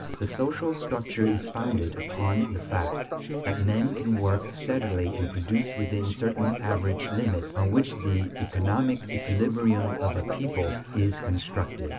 The social structure is founded upon the fact that men can work steadily and produce within certain average limits on which the economic equilibrium of a people is constructed.